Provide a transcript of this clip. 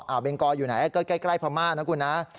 เบงกออยู่ไหนก็ใกล้พม่านะคุณนะ